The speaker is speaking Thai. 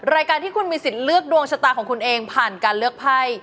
รายการที่คุณมีสิทธิ์เลือกดวงชะตาของคุณเองผ่านการเลือกไพ่